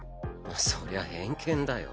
そりゃ偏見だよ。